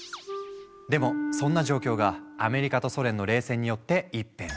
でもそんな状況がアメリカとソ連の冷戦によって一変。